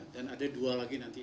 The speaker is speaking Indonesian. dan ada dua lagi nanti